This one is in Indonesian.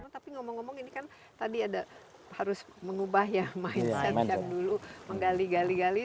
tapi ngomong ngomong ini kan tadi ada harus mengubah ya mindset yang dulu menggali gali gali